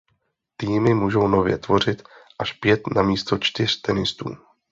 Týmy může nově tvořit až pět namísto čtyř tenistů.